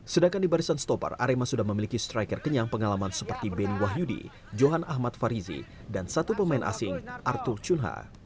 sedangkan di barisan stopper arema sudah memiliki striker kenyang pengalaman seperti benny wahyudi johan ahmad farizi dan satu pemain asing arthur chunha